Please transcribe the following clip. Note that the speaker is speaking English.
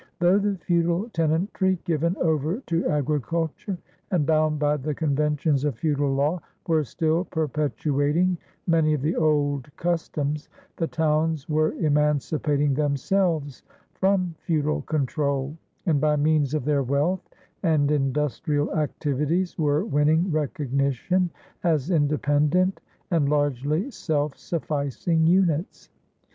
Though the feudal tenantry, given over to agriculture and bound by the conventions of feudal law, were still perpetuating many of the old customs, the towns were emancipating themselves from feudal control, and by means of their wealth and industrial activities were winning recognition as independent and largely self sufficing units.